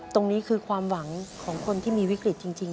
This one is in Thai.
ตรงนี้คือความหวังของคนที่มีวิกฤตจริง